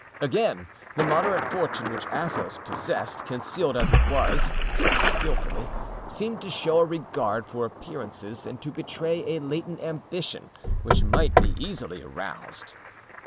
Again, the moderate fortune which Athos possessed, concealed as it was, so skillfully, seemed to show a regard for appearances and to betray a latent ambition which might be easily aroused.